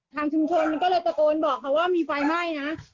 ทางชุมชนก็เลยตะโกนบอกเขาว่ามีไฟไหม้นะ